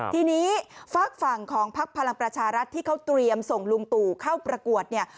ทีนี้ฝากฝั่งของพักพลังประชารัฐที่เขาเตรียมส่งลุงตู่เข้าประกวดเนี่ย